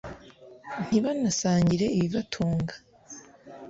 Ntibanasangire ibibatunga.